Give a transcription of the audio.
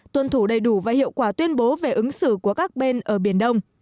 tuân thủ đầy đủ và hiệu quả tuyên bố về ứng xử của các bên ở biển đông